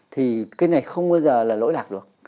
thì cái này không bao giờ là lỗi lạc được